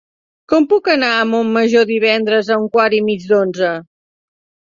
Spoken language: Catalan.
Com puc anar a Montmajor divendres a un quart i mig d'onze?